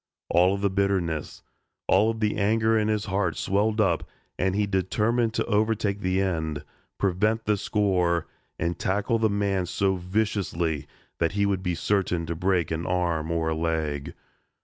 All of the bitterness all of the anger in his heart swelled up and he determined to overtake the end, prevent the score and tackle the man so viciously that he would be certain to break an arm or a leg.